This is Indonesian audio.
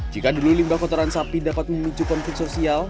jika dulu limbah kotoran sapi dapat memicu konflik sosial